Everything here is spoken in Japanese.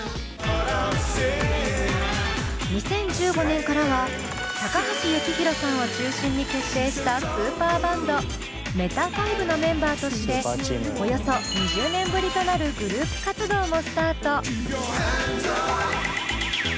２０１５年からは高橋幸宏さんを中心に結成したスーパーバンドＭＥＴＡＦＩＶＥのメンバーとしておよそ２０年ぶりとなるグループ活動もスタート。